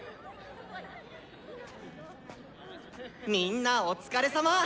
「みんなお疲れさま！